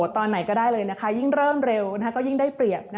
ตอนไหนก็ได้เลยนะคะยิ่งเริ่มเร็วก็ยิ่งได้เปรียบ